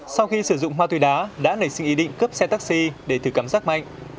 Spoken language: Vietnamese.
sau khi sử dụng ma túy đá đã nảy sinh ý định cướp xe taxi để thử cảm giác mạnh